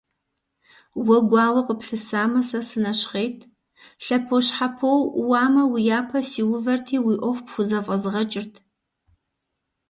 Уэ гуауэ къыплъысамэ, сэ сынэщхъейт, лъэпощхьэпо уӀууамэ, уи япэ сиувэрти, уи Ӏуэху пхузэфӀэзгъэкӀырт.